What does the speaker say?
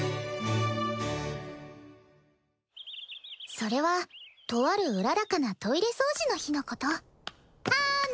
それはとあるうららかなトイレ掃除の日のことはな